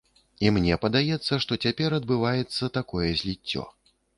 І мне падаецца, што цяпер адбываецца такое зліццё.